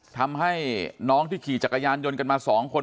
ทำให้น้องที่ขี่จักรยานยนต์กันมา๒คน